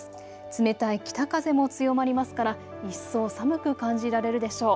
冷たい北風も強まりますから一層寒く感じられるでしょう。